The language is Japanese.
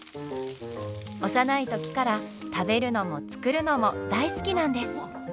幼い時から食べるのも作るのも大好きなんです。